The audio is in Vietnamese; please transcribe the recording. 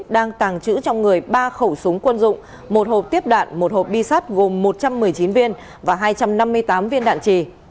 đang tàng trữ trong người ba khẩu súng quân dụng một hộp tiếp đạn một hộp bi sắt gồm một trăm một mươi chín viên và hai trăm năm mươi tám viên đạn trì